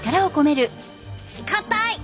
硬い！